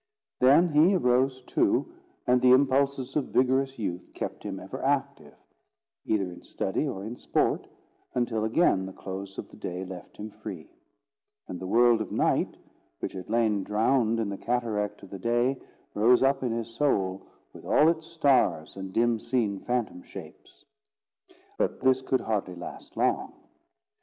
Then he arose too; and the impulses of vigorous youth kept him ever active, either in study or in sport, until again the close of the day left him free; and the world of night, which had lain drowned in the cataract of the day, rose up in his soul, with all its stars, and dim seen phantom shapes. But this could hardly last long.